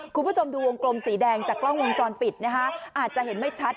คุณผู้ชมดูวงกลมสีแดงจากกล้องวงจรปิดนะคะอาจจะเห็นไม่ชัด